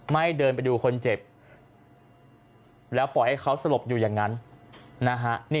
เดินไปดูคนเจ็บแล้วปล่อยให้เขาสลบอยู่อย่างนั้นนะฮะ